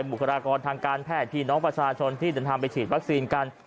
บุคลากรทางการแพทย์พี่น้องประชาชนที่เดินทางไปฉีดวัคซีนกัน